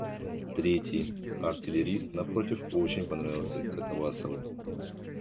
Третий, артиллерист, напротив, очень понравился Катавасову.